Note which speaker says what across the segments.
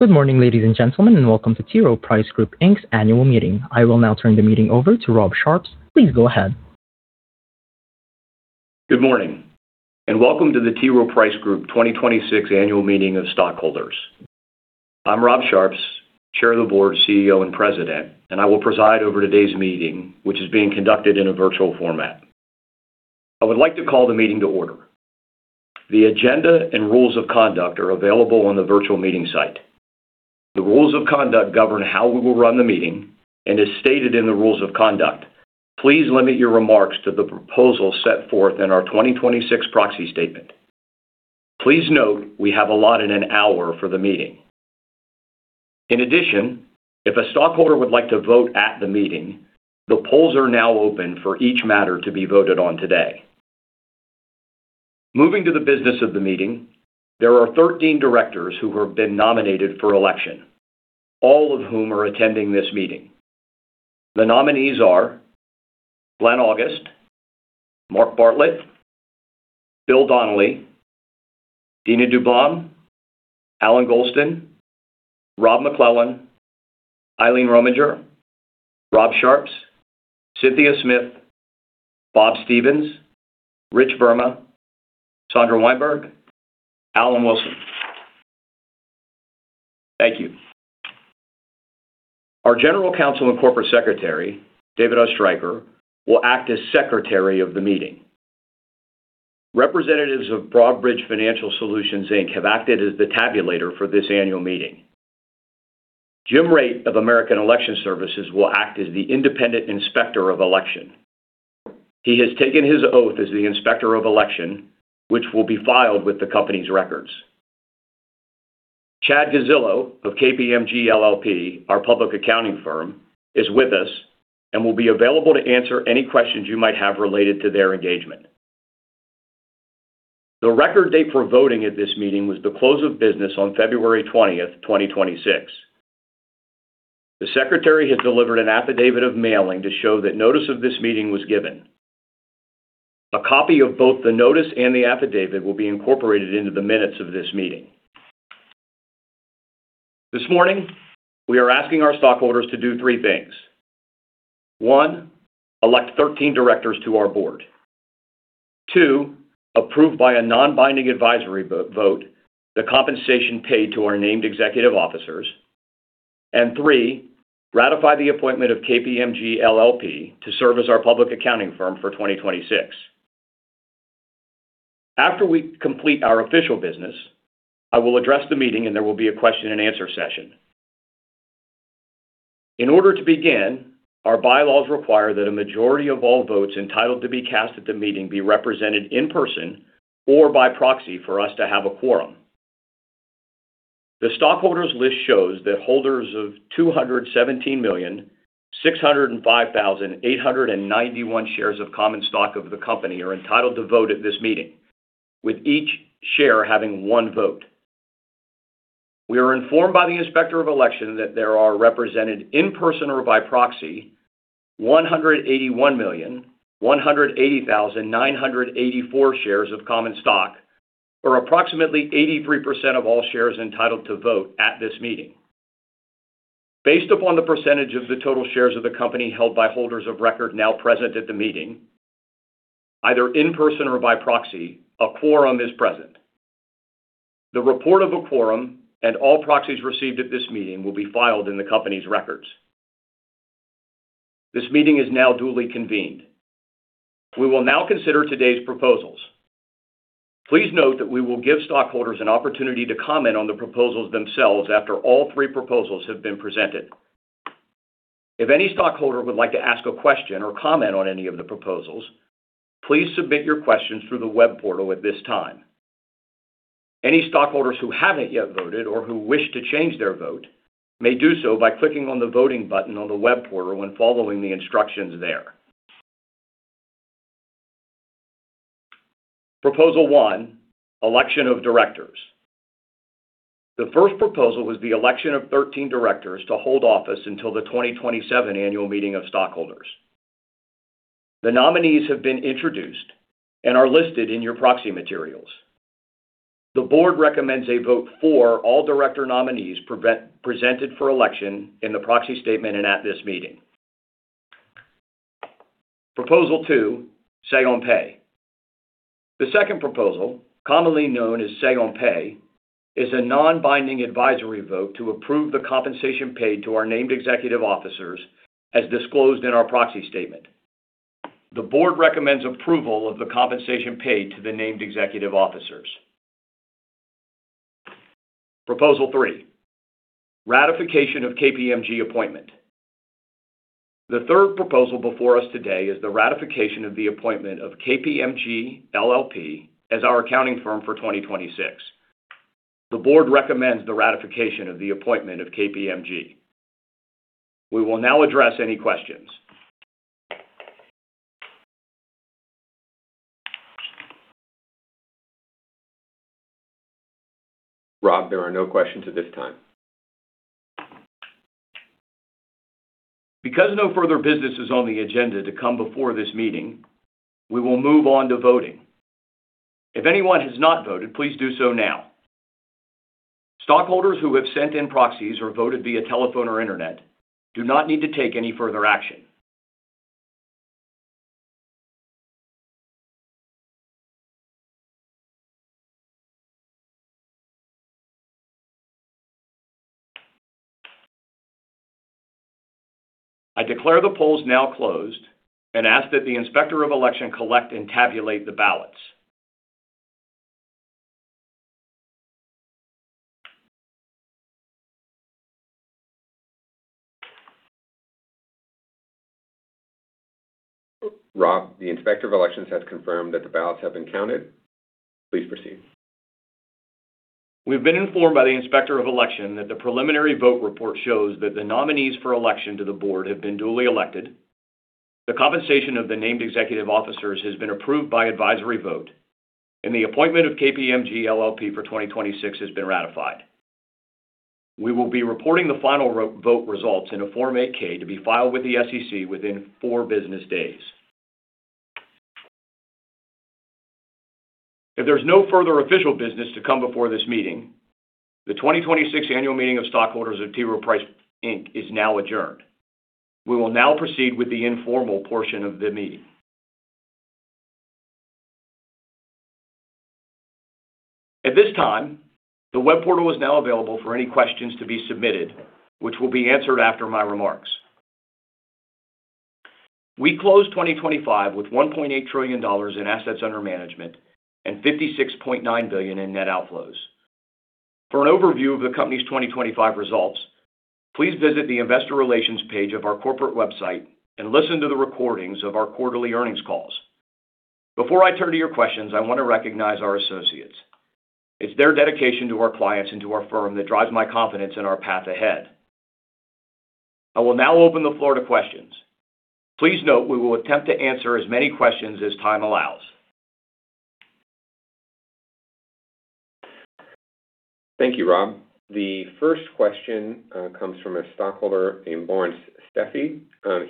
Speaker 1: Good morning, ladies and gentlemen, and welcome to T. Rowe Price Group, Inc.'s annual meeting. I will now turn the meeting over to Rob Sharps. Please go ahead.
Speaker 2: Good morning, welcome to the T. Rowe Price Group 2026 Annual Meeting of Stockholders. I'm Rob Sharps, Chair of the Board, CEO, and President, and I will preside over today's meeting, which is being conducted in a virtual format. I would like to call the meeting to order. The agenda and rules of conduct are available on the virtual meeting site. The rules of conduct govern how we will run the meeting, and as stated in the rules of conduct, please limit your remarks to the proposal set forth in our 2026 proxy statement. Please note we have allotted an hour for the meeting. In addition, if a stockholder would like to vote at the meeting, the polls are now open for each matter to be voted on today. Moving to the business of the meeting, there are 13 directors who have been nominated for election, all of whom are attending this meeting. The nominees are Glenn August, Mark Bartlett, Bill Donnelly, Dina Dublon, Allan Golston, Rob MacLellan, Eileen Rominger, Rob Sharps, Cynthia Smith, Bob Stevens, Rich Verma, Sandra Wijnberg, Alan Wilson. Thank you. Our General Counsel and Corporate Secretary, David Oestreicher, will act as Secretary of the meeting. Representatives of Broadridge Financial Solutions Inc. have acted as the tabulator for this annual meeting. Jim Rate of American Election Services will act as the independent Inspector of Election. He has taken his oath as the Inspector of Election, which will be filed with the company's records. Chad Gazzillo of KPMG LLP, our public accounting firm, is with us and will be available to answer any questions you might have related to their engagement. The record date for voting at this meeting was the close of business on February 20, 2026. The secretary has delivered an affidavit of mailing to show that notice of this meeting was given. A copy of both the notice and the affidavit will be incorporated into the minutes of this meeting. This morning, we are asking our stockholders to do three things. One, elect 13 directors to our board. Two, approve by a non-binding advisory vote the compensation paid to our named executive officers. Three, ratify the appointment of KPMG LLP to serve as our public accounting firm for 2026. After we complete our official business, I will address the meeting, and there will be a question and answer session. In order to begin, our bylaws require that a majority of all votes entitled to be cast at the meeting be represented in person or by proxy for us to have a quorum. The stockholders' list shows that holders of 217,605,891 shares of common stock of the company are entitled to vote at this meeting, with each share having one vote. We are informed by the Inspector of Election that there are represented in person or by proxy 181,180,984 shares of common stock, or approximately 83% of all shares entitled to vote at this meeting. Based upon the percentage of the total shares of the company held by holders of record now present at the meeting, either in person or by proxy, a quorum is present. The report of a quorum and all proxies received at this meeting will be filed in the company's records. This meeting is now duly convened. We will now consider today's proposals. Please note that we will give stockholders an opportunity to comment on the proposals themselves after all three proposals have been presented. If any stockholder would like to ask a question or comment on any of the proposals, please submit your questions through the web portal at this time. Any stockholders who haven't yet voted or who wish to change their vote may do so by clicking on the voting button on the web portal when following the instructions there. Proposal one, election of directors. The first proposal is the election of 13 directors to hold office until the 2027 annual meeting of stockholders. The nominees have been introduced and are listed in your proxy materials. The board recommends a vote for all director nominees presented for election in the proxy statement and at this meeting. Proposal two, say on pay. The second proposal, commonly known as say on pay, is a non-binding advisory vote to approve the compensation paid to our named executive officers as disclosed in our proxy statement. The board recommends approval of the compensation paid to the named executive officers. Proposal three, ratification of KPMG appointment. The third proposal before us today is the ratification of the appointment of KPMG LLP as our accounting firm for 2026. The board recommends the ratification of the appointment of KPMG. We will now address any questions.
Speaker 3: Rob, there are no questions at this time.
Speaker 2: Because no further business is on the agenda to come before this meeting, we will move on to voting. If anyone has not voted, please do so now. Stockholders who have sent in proxies or voted via telephone or internet do not need to take any further action. I declare the polls now closed and ask that the Inspector of Election collect and tabulate the ballots.
Speaker 3: Rob, the inspector of elections has confirmed that the ballots have been counted. Please proceed.
Speaker 2: We've been informed by the Inspector of Election that the preliminary vote report shows that the nominees for election to the board have been duly elected. The compensation of the named executive officers has been approved by advisory vote, and the appointment of KPMG LLP for 2026 has been ratified. We will be reporting the final vote results in a Form 8-K to be filed with the SEC within four business days. If there's no further official business to come before this meeting, the 2026 annual meeting of stockholders of T. Rowe Price Group, Inc. is now adjourned. We will now proceed with the informal portion of the meeting. At this time, the web portal is now available for any questions to be submitted, which will be answered after my remarks. We closed 2025 with $1.8 trillion in assets under management and $56.9 billion in net outflows. For an overview of the company's 2025 results, please visit the investor relations page of our corporate website and listen to the recordings of our quarterly earnings calls. Before I turn to your questions, I want to recognize our associates. It's their dedication to our clients and to our firm that drives my confidence in our path ahead. I will now open the floor to questions. Please note we will attempt to answer as many questions as time allows.
Speaker 3: Thank you, Rob. The first question comes from a stockholder named Lawrence Steffy.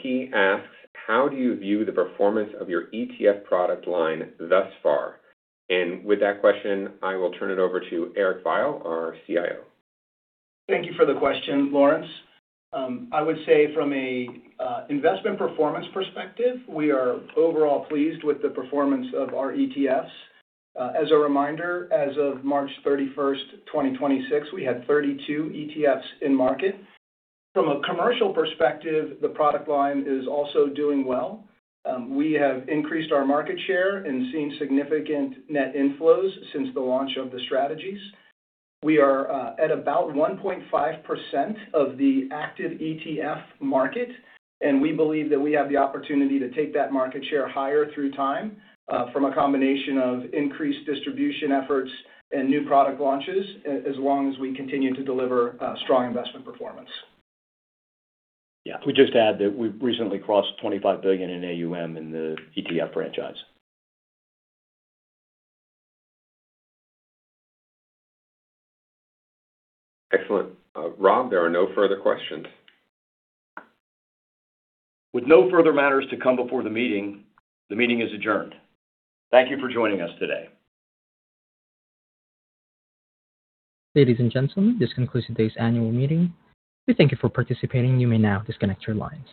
Speaker 3: He asks, "How do you view the performance of your ETF product line thus far?" With that question, I will turn it over to Eric Veiel, our CIO.
Speaker 4: Thank you for the question, Lawrence. I would say from an investment performance perspective, we are overall pleased with the performance of our ETFs. As a reminder, as of March 31st, 2026, we had 32 ETFs in market. From a commercial perspective, the product line is also doing well. We have increased our market share and seen significant net inflows since the launch of the strategies. We are at about 1.5% of the active ETF market, and we believe that we have the opportunity to take that market share higher through time, from a combination of increased distribution efforts and new product launches, as long as we continue to deliver strong investment performance.
Speaker 2: Yeah. If we just add that we've recently crossed $25 billion in AUM in the ETF franchise.
Speaker 3: Excellent. Rob, there are no further questions.
Speaker 2: With no further matters to come before the meeting, the meeting is adjourned. Thank you for joining us today.
Speaker 1: Ladies and gentlemen, this concludes today's annual meeting. We thank you for participating. You may now disconnect your lines.